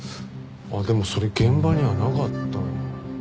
でもそれ現場にはなかったな。